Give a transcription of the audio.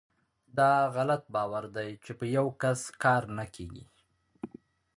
داغلط باور دی چې په یوکس کار نه کیږي .